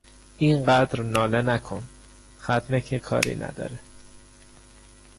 این قدر ناله نکن; ختنه که کاری نداره!